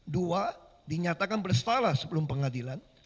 dua dinyatakan bersalah sebelum pengadilan